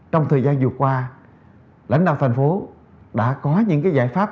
trong thời gian vừa qua lãnh đạo thành phố đã có những giải pháp